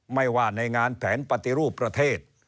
ไม่ว่าในงานแผนปฏิรูปประเทศ